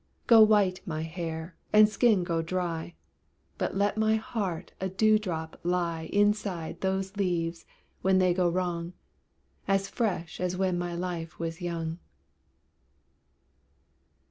Go white my hair and skin go dry But let my heart a dewdrop lie Inside those leaves when they go wrong, As fresh as when my life was young.